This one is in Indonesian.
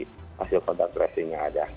hasil kontak tracing yang ada